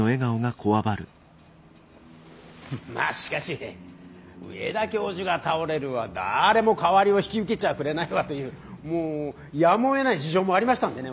まあしかし上田教授が倒れるわだれも代わりを引き受けちゃくれないわというもうやむをえない事情もありましたんでね